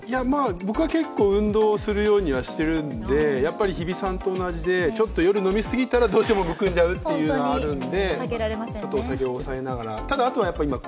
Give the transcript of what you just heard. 僕は結構、運動するようにはしているので日比さんと同じで、ちょっと夜飲み過ぎたら、どうしてもむくんじゃうというのがあるんで。